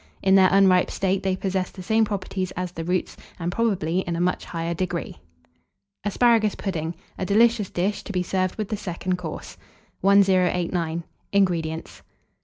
In their unripe state they possess the same properties as the roots, and probably in a much higher degree. ASPARAGUS PUDDING. (A delicious Dish, to be served with the Second Course.) 1089. INGREDIENTS.